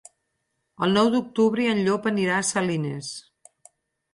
El nou d'octubre en Llop anirà a Salines.